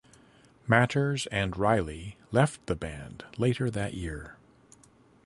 Matters and Riley left the band later that year.